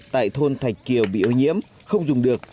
tại thôn thạch kiều bị ô nhiễm không dùng được